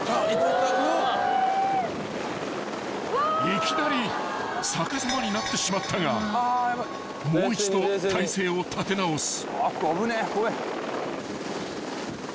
［いきなり逆さまになってしまったがもう一度体勢を立て直す］